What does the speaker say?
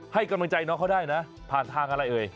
ให้กำลังใจน้องเขาได้นะผ่านทางอะไรเอ่ย